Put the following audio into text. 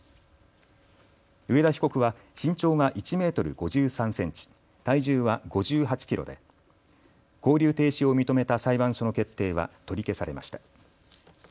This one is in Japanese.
上田被告は身長が１メートル５３センチ、体重は５８キロで勾留停止を認めた裁判所の決定は取り消されました。